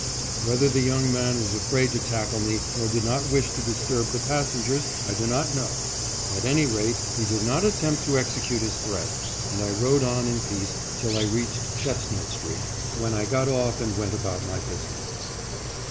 Whether the young man was afraid to tackle me, or did not wish to disturb the passengers, I do not know. At any rate, he did not attempt to execute his threat, and I rode on in peace till I reached Chestnut street, when I got off and went about my business.